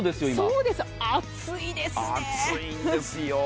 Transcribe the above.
そうですよ、暑いですよ。